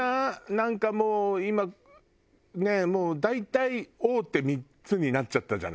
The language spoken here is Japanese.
なんかもう今もう大体大手３つになっちゃったじゃない。